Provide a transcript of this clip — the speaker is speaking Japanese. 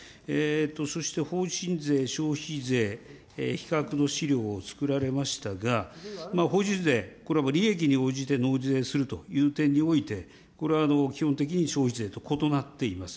そして法人税、消費税、比較の資料をつくられましたが、法人税、これは利益に応じて納税するという点において、これは基本的に消費税と異なっています。